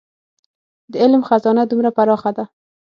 د علم خزانه دومره پراخه ده.